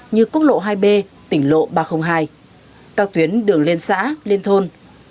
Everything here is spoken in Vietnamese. như quốc lộ hai b tỉnh lộ ba trăm linh hai các tuyến đường lên xã lên thôn